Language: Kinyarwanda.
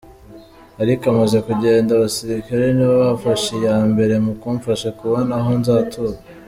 Ariko amaze kugenda abasirikare ni bo bafashe iya mbere mu kumfasha kubona aho nzatura.